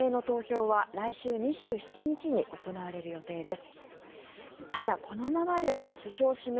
次の首相指名投票は来週２７日に行われる予定です。